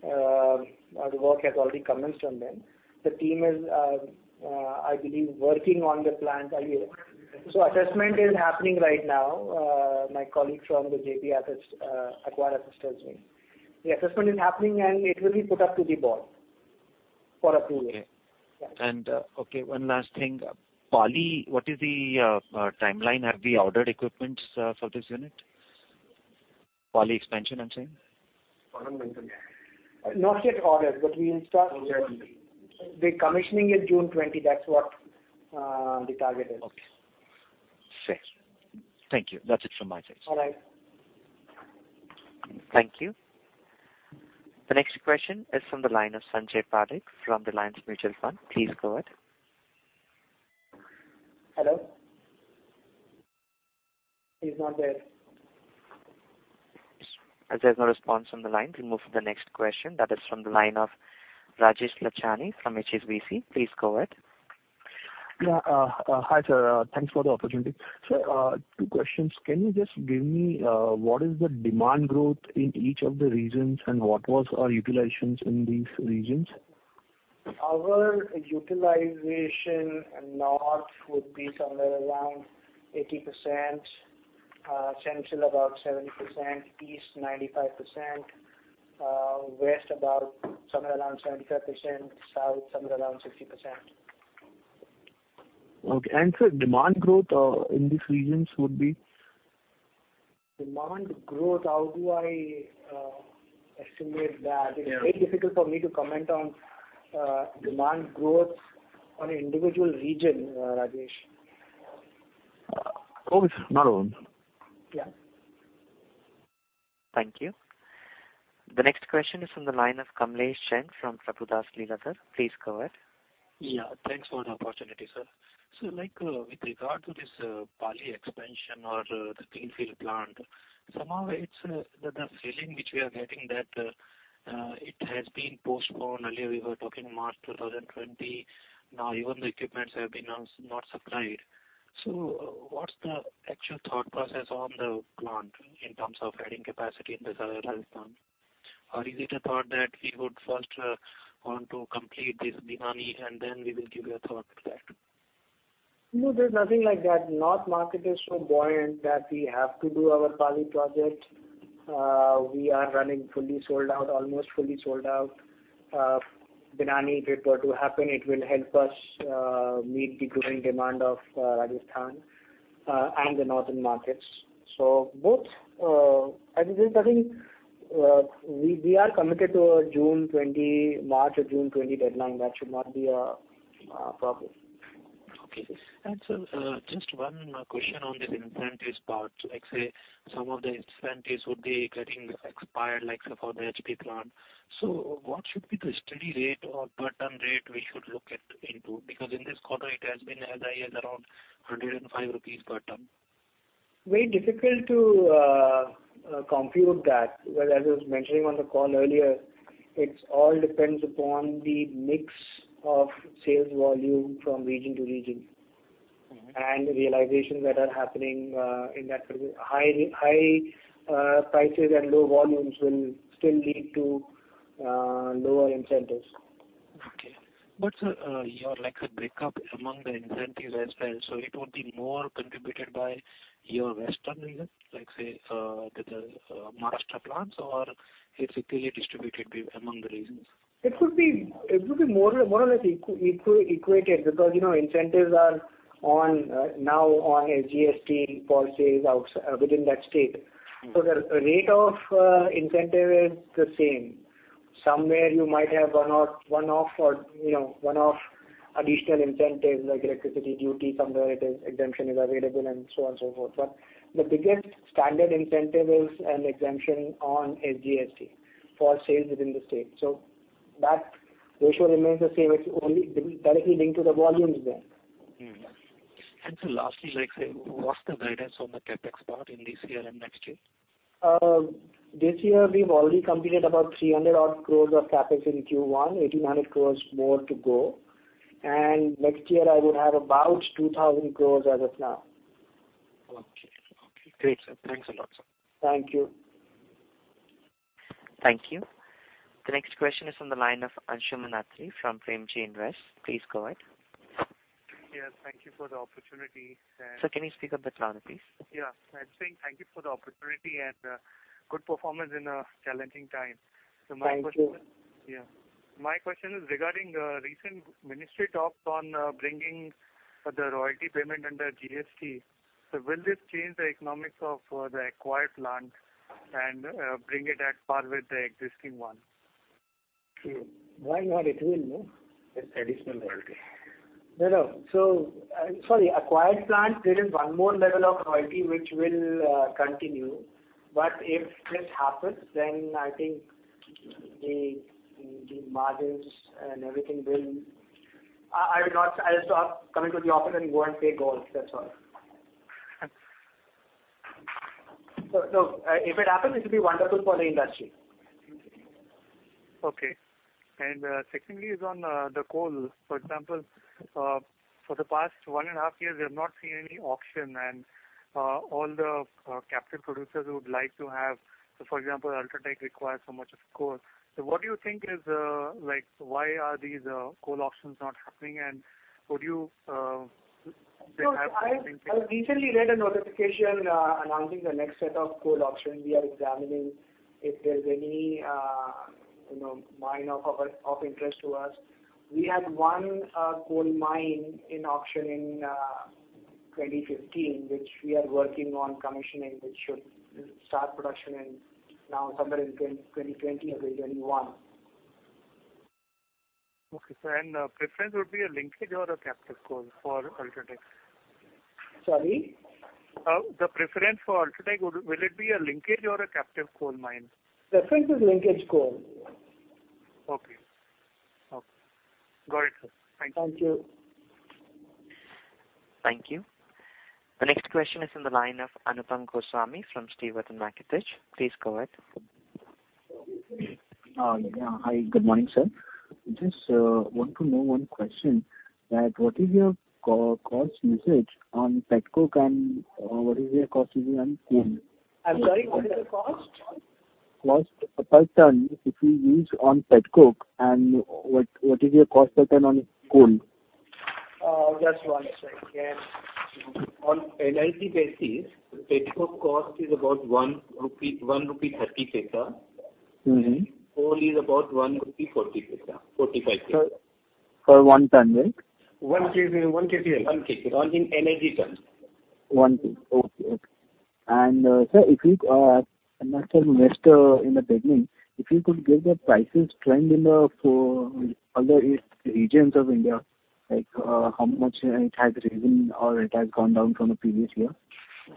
the work has already commenced on them. The team is, I believe, working on the plant. Assessment is happening right now. My colleague from the JP acquired assets tells me. The assessment is happening, and it will be put up to the board for approval. Okay. Okay, one last thing. Pali, what is the timeline? Have we ordered equipment for this unit? Pali expansion, I'm saying. Not yet ordered. We will start the commissioning in June 2020. That's what the target is. Okay. Thank you. That's it from my side. All right. Thank you. The next question is from the line of Sanjay Patel from Reliance Mutual Fund. Please go ahead. Hello? He's not there. As there's no response from the line, we move to the next question. That is from the line of Rajesh Lachhani from HSBC. Please go ahead. Yeah. Hi, sir. Thanks for the opportunity. Two questions. Can you just give me what is the demand growth in each of the regions, and what was our utilizations in these regions? Our utilization North would be somewhere around 80%, Central about 70%, East 95%, West about somewhere around 75%, South somewhere around 60%. Okay. Sir, demand growth in these regions would be? Demand growth, how do I estimate that? Yeah. It's very difficult for me to comment on demand growth on an individual region, Rajesh. Okay, sir. Not a problem. Yeah. Thank you. The next question is from the line of Kamlesh Jain from Prabhudas Lilladher. Please go ahead. Yeah. Thanks for the opportunity, sir. With regard to this Pali expansion or the greenfield plant, somehow the feeling which we are getting that it has been postponed. Earlier we were talking March 2020. Now even the equipments have been not supplied. What's the actual thought process on the plant in terms of adding capacity in the southern Rajasthan? Is it a thought that we would first want to complete this Binani, and then we will give a thought to that? No, there's nothing like that. North market is so buoyant that we have to do our Pali project. We are running almost fully sold out. Binani, if it were to happen, it will help us meet the growing demand of Rajasthan and the northern markets. Both. I think we are committed to March or June 2020 deadline. That should not be a problem. Sir, just one question on this incentives part. Let's say some of the incentives would be getting expired, like say for the HP plant. What should be the steady rate or per ton rate we should look into? Because in this quarter it has been as high as around 105 rupees per ton. Very difficult to compute that. As I was mentioning on the call earlier, it all depends upon the mix of sales volume from region to region and realizations that are happening in that. High prices and low volumes will still lead to lower incentives. Sir, your break up among the incentives as well, it would be more contributed by your western region, like say, the Maharashtra plants or it's equally distributed among the regions? It will be more or less equated because incentives are now on SGST for sales within that state. The rate of incentive is the same. Somewhere you might have one-off additional incentives like electricity duty, somewhere exemption is available and so on and so forth. The biggest standard incentive is an exemption on SGST for sales within the state. That ratio remains the same. It's only directly linked to the volumes there. Mm-hmm. Sir, lastly, what's the guidance on the CapEx part in this year and next year? This year we've already completed about 300 odd crores of CapEx in Q1, 1,800 crores more to go. Next year I would have about 2,000 crores as of now. Okay. Great, sir. Thanks a lot, sir. Thank you. Thank you. The next question is on the line of Anshuman Atri from Premji Invest. Please go ahead. Yes. Thank you for the opportunity. Sir, can you speak up the phone, please? Yes. I am saying thank you for the opportunity and good performance in a challenging time. My question is. Thank you. Yeah. My question is regarding the recent ministry talks on bringing the royalty payment under GST. Will this change the economics of the acquired plant and bring it at par with the existing one? Why not? It will, no? It's additional royalty. No, no. Sorry, acquired plant, there is one more level of royalty which will continue. If this happens, then I think the margins and everything will stop coming to the offer and go and play golf. That's all. If it happens, it'll be wonderful for the industry. Okay. Secondly is on the coal. For example, for the past one and a half years we have not seen any auction and all the captive producers would like to have, for example, UltraTech requires so much of coal. What do you think is, why are these coal auctions not happening? I recently read a notification announcing the next set of coal auctions. We are examining if there's any mine of interest to us. We had one coal mine in auction in 2015 which we are working on commissioning, which should start production now somewhere in 2020 or 2021. Okay, sir. Preference would be a linkage or a captive coal for UltraTech? Sorry? The preference for UltraTech, will it be a linkage or a captive coal mine? Preference is linkage coal. Okay. Got it, sir. Thank you. Thank you. Thank you. The next question is on the line of Anupam Goswami from Stewart & Mackertich. Please go ahead. Hi. Good morning, sir. Just want to know one question, that what is your cost usage on pet coke and what is your cost usage on coal? I'm sorry, what is the cost? Cost per ton if you use on pet coke and what is your cost per ton on coal? Just one second. On NCV basis, pet coke cost is about 1.30 rupee. Coal is about 1.40 rupee, 1.45. For one ton, right? One kilo. One in NCV ton. One Okay. Sir, if you are an actual investor in the beginning, if you could give the prices trend in the other regions of India, like how much it has risen or it has gone down from the previous year?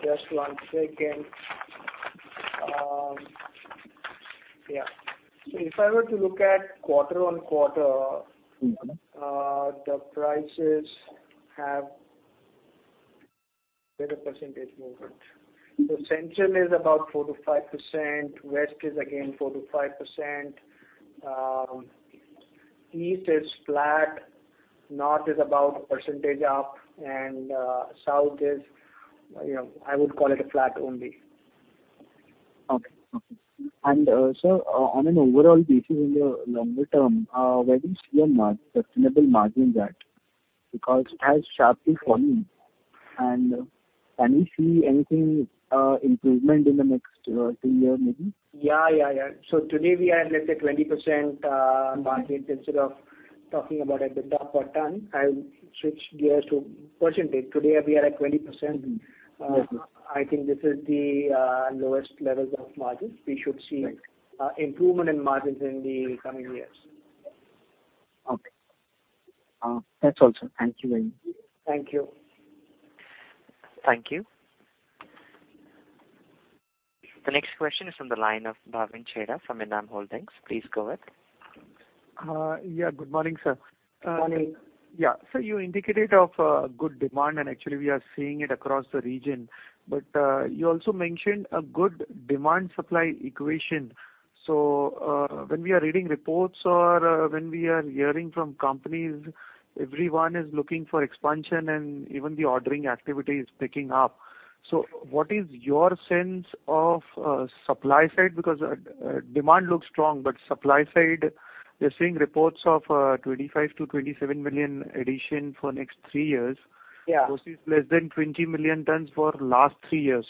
Just one second. Yeah. If I were to look at quarter-on-quarter- the prices have better percentage movement. Central is about 4%-5%. West is again 4%-5%. East is flat. North is about percentage up and South is, I would call it a flat only. Okay. Sir, on an overall basis in the longer term, where do you see a sustainable margin at? Because it has sharply fallen. Can we see anything improvement in the next two year maybe? Yeah. Today we are at, let's say, 20% margin. Instead of talking about at the top or ton, I will switch gears to percentage. Today we are at 20%. Yes, sir. I think this is the lowest levels of margins. We should see- Right improvement in margins in the coming years. Okay. That's all, sir. Thank you very much. Thank you. Thank you. The next question is on the line of Bhavin Chheda from Edelweiss Holdings. Please go ahead. Yeah. Good morning, sir. Morning. Yeah. Sir, you indicated of good demand and actually we are seeing it across the region, but you also mentioned a good demand-supply equation. When we are reading reports or when we are hearing from companies, everyone is looking for expansion and even the ordering activity is picking up. What is your sense of supply side? Demand looks strong, but supply side, we are seeing reports of 25 million-27 million addition for next three years. Yeah. Versus less than 20 million tons for last three years.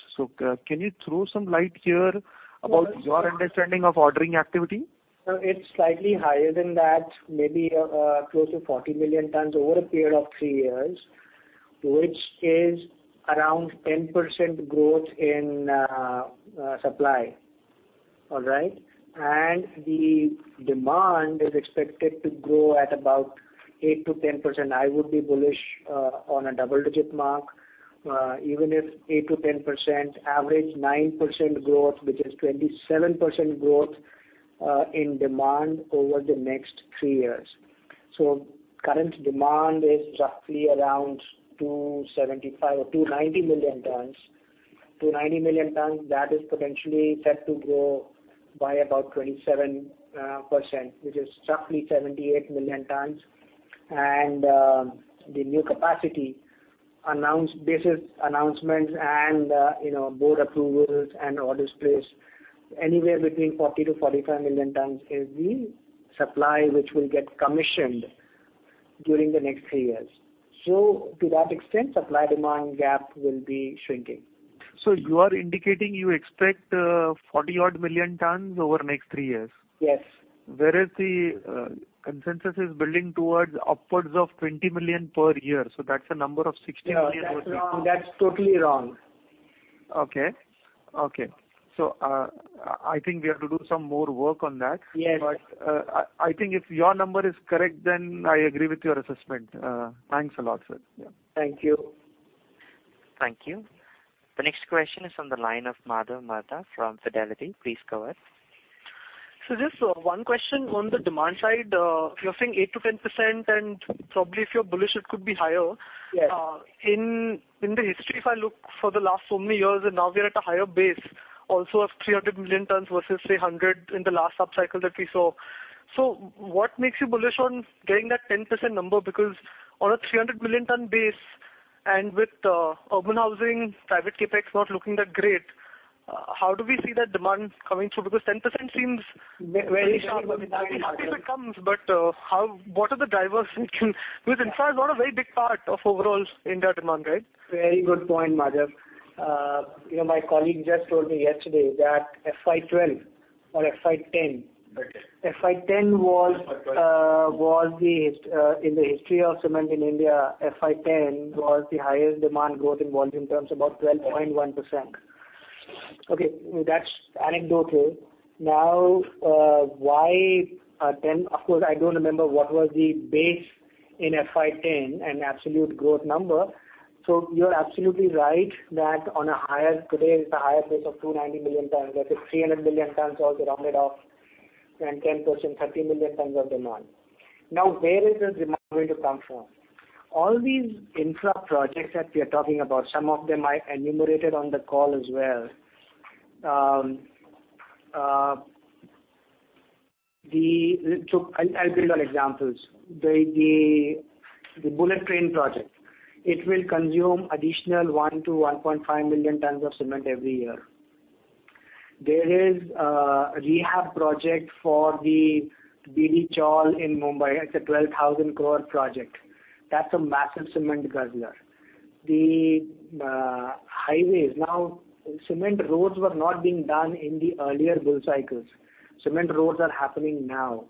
Can you throw some light here about your understanding of ordering activity? Sir, it's slightly higher than that. Maybe close to 40 million tons over a period of three years. Which is around 10% growth in supply. The demand is expected to grow at about 8%-10%. I would be bullish on a double-digit mark, even if 8%-10%, average 9% growth, which is 27% growth in demand over the next three years. Current demand is roughly around 275 million or 290 million tons. 290 million tons, that is potentially set to grow by about 27%, which is roughly 78 million tons. The new capacity, this is announcements and board approvals and orders placed, anywhere between 40 million-45 million tons is the supply which will get commissioned during the next three years. To that extent, supply-demand gap will be shrinking. You are indicating you expect 40 odd million tons over the next three years? Yes. Whereas the consensus is building upwards of 20 million per year. That's a number of 60 million. No, that's totally wrong. Okay. I think we have to do some more work on that. Yes. I think if your number is correct, then I agree with your assessment. Thanks a lot, sir. Thank you. Thank you. The next question is on the line of Madhav Mehta from Fidelity. Please go ahead. Sir, just one question on the demand side. You're saying 8%-10%, and probably if you're bullish, it could be higher. Yes. In the history, if I look for the last so many years, now we are at a higher base, also of 300 million tons versus 300 in the last upcycle that we saw. What makes you bullish on getting that 10% number? On a 300 million tons base, and with urban housing, private CapEx not looking that great, how do we see that demand coming through? 10% seems very sharp. Very sharp It comes, what are the drivers? Infra is not a very big part of overall India demand, right? Very good point, Madhav. My colleague just told me yesterday that FY 2012 or FY 2010. Okay. In the history of cement in India, FY 2010 was the highest demand growth in volume terms, about 12.1%. That's anecdotal. Why 10? Of course, I don't remember what was the base in FY 2010 and absolute growth number. You're absolutely right that today is the highest base of 290 million tonnes. Let's say 300 million tonnes also rounded off, and 10%, 30 million tonnes of demand. Where is this demand going to come from? All these infra projects that we're talking about, some of them I enumerated on the call as well. I'll build on examples. The bullet train project, it will consume additional 1-1.5 million tonnes of cement every year. There is a rehab project for the BDD Chawl in Mumbai. It's a 12,000 crore project. That's a massive cement guzzler. The highways. Cement roads were not being done in the earlier build cycles. Cement roads are happening now.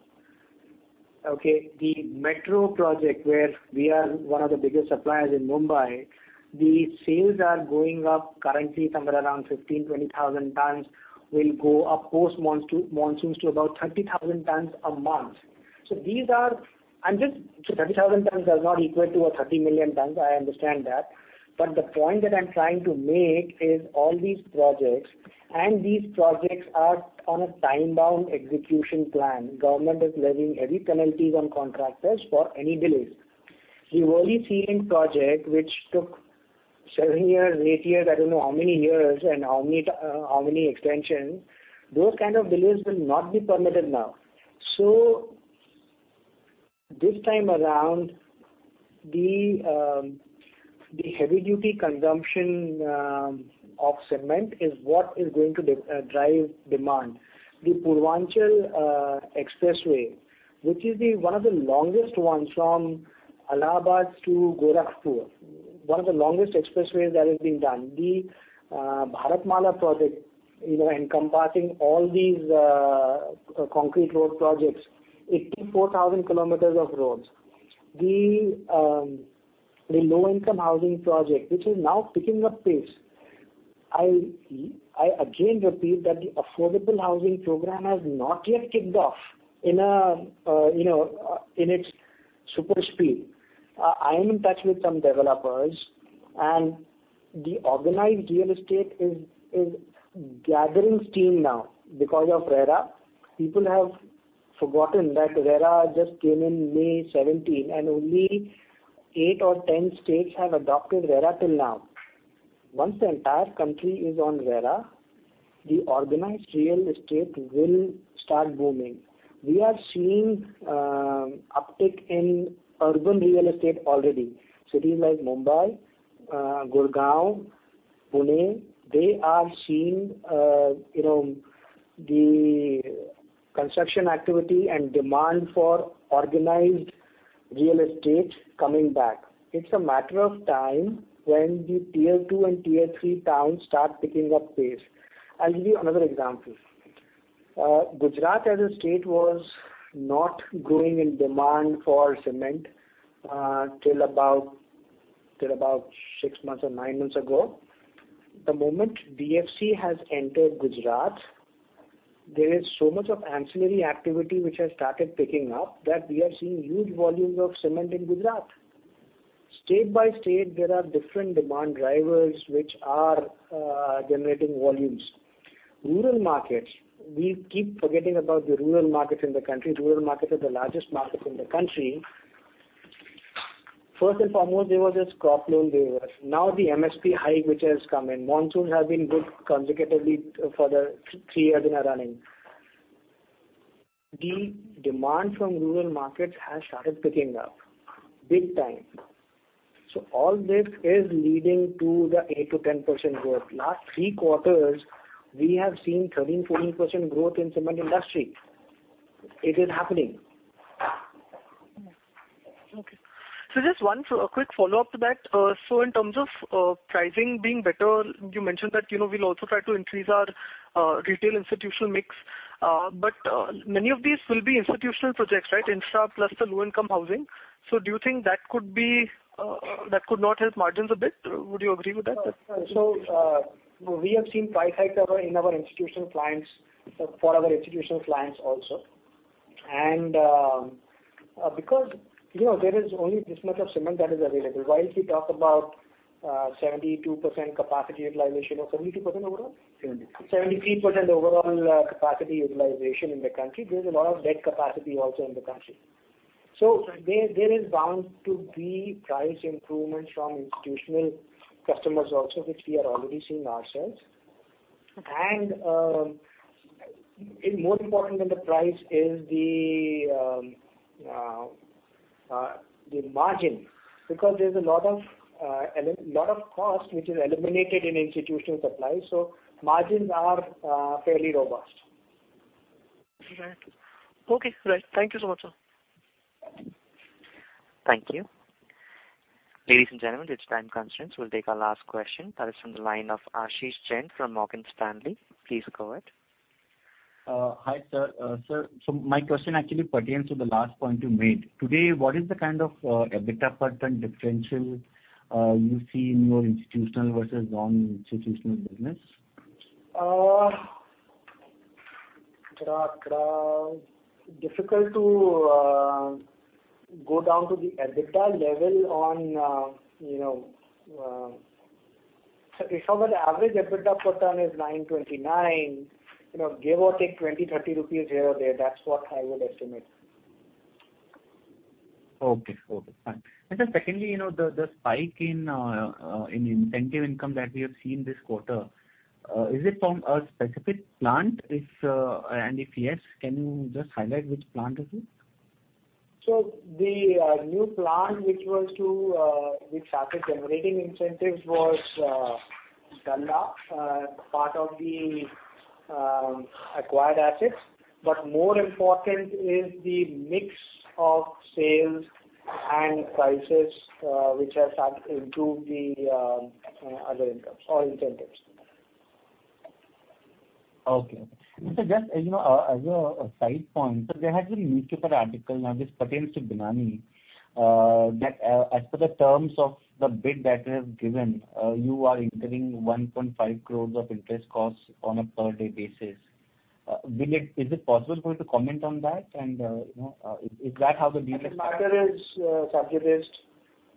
The metro project, where we are one of the biggest suppliers in Mumbai, the sales are going up currently somewhere around 15,000, 20,000 tonnes, will go up post monsoons to about 30,000 tonnes a month. 30,000 tonnes does not equate to a 30 million tonnes, I understand that. The point that I'm trying to make is all these projects, and these projects are on a time-bound execution plan. Government is levying heavy penalties on contractors for any delays. The Worli Sea Link project, which took seven years, eight years, I don't know how many years and how many extensions, those kind of delays will not be permitted now. This time around, the heavy-duty consumption of cement is what is going to drive demand. The Purvanchal Expressway, which is one of the longest ones from Allahabad to Gorakhpur, one of the longest expressways that is being done. The Bharatmala project, encompassing all these concrete road projects, 84,000 kilometers of roads. The low-income housing project, which is now picking up pace. I again repeat that the affordable housing program has not yet kicked off in its super speed. I am in touch with some developers, the organized real estate is gathering steam now because of RERA. People have forgotten that RERA just came in May 2017, and only eight or ten states have adopted RERA till now. Once the entire country is on RERA, the organized real estate will start booming. We are seeing uptick in urban real estate already. Cities like Mumbai, Gurgaon, Pune, they are seeing the construction activity and demand for organized real estate coming back. It's a matter of time when the tier 2 and tier 3 towns start picking up pace. I'll give you another example Gujarat as a state was not growing in demand for cement till about six months or nine months ago. The moment DFC has entered Gujarat, there is so much ancillary activity which has started picking up that we are seeing huge volumes of cement in Gujarat. State by state, there are different demand drivers which are generating volumes. Rural markets, we keep forgetting about the rural markets in the country. Rural markets are the largest markets in the country. First and foremost, there was this crop loan waivers. The MSP hike which has come in. Monsoon has been good consecutively for the three years in a running. The demand from rural markets has started picking up big time. All this is leading to the 8%-10% growth. Last three quarters, we have seen 13%, 14% growth in cement industry. It is happening. Just one quick follow-up to that. In terms of pricing being better, you mentioned that we'll also try to increase our retail institutional mix. Many of these will be institutional projects, right? Insta plus the low-income housing. Do you think that could not help margins a bit? Would you agree with that? We have seen price hikes in our institutional clients, for our institutional clients also. Because there is only this much of cement that is available. While we talk about 72% capacity utilization, or 72% overall? 73. 73% overall capacity utilization in the country, there's a lot of dead capacity also in the country. There is bound to be price improvements from institutional customers also, which we are already seeing ourselves. More important than the price is the margin, because there's a lot of cost which is eliminated in institutional supply, so margins are fairly robust. Right. Okay. Right. Thank you so much, sir. Thank you. Ladies and gentlemen, due to time constraints, we'll take our last question. That is from the line of Ashish Jain from Morgan Stanley. Please go ahead. Hi, sir. My question actually pertains to the last point you made. Today, what is the kind of EBITDA per ton differential you see in your institutional versus non-institutional business? Difficult to go down to the EBITDA level. If our average EBITDA per ton is 929, give or take 20, 30 rupees here or there, that's what I would estimate. Okay. Fine. Sir, secondly, the spike in incentive income that we have seen this quarter, is it from a specific plant? If yes, can you just highlight which plant is it? The new plant which started generating incentives was Dalla, part of the acquired assets. More important is the mix of sales and prices, which have helped improve the other incomes or incentives. Okay. Sir, just as a side point, there has been a newspaper article, this pertains to Binani, that as per the terms of the bid that you have given, you are incurring 1.5 crores of interest costs on a per day basis. Is it possible for you to comment on that? The matter is sub judice.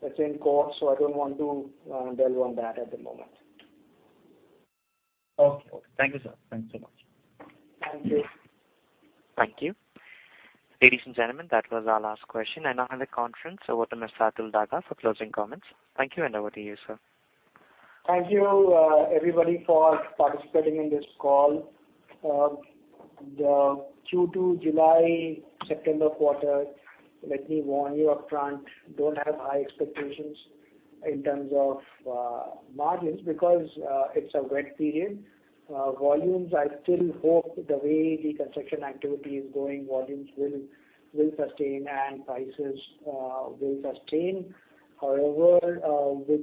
It's in court, so I don't want to delve on that at the moment. Okay. Thank you, sir. Thanks so much. Thank you. Thank you. Ladies and gentlemen, that was our last question. I now hand the conference over to Mr. Atul Daga for closing comments. Thank you, and over to you, sir. Thank you, everybody, for participating in this call. Due to July-September quarter, let me warn you up front, don't have high expectations in terms of margins because it's a wet period. Volumes, I still hope the way the construction activity is going, volumes will sustain and prices will sustain. However, with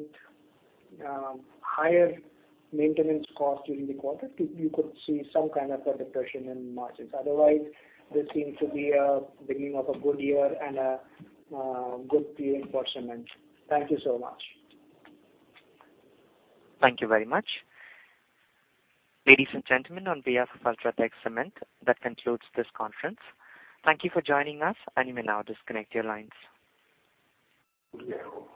higher maintenance costs during the quarter, you could see some kind of a depression in margins. Otherwise, this seems to be a beginning of a good year and a good period for cement. Thank you so much. Thank you very much. Ladies and gentlemen, on behalf of UltraTech Cement, that concludes this conference. Thank you for joining us, and you may now disconnect your lines. Yeah.